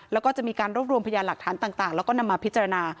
แล้วก็จะมีการรวบรวมพยานหลักฐานต่างแล้วก็นำมาพิจารณา